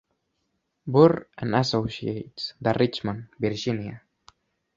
Burr and Associates de Richmond, Virgínia.